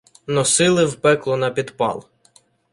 Носили в пекло на підпал.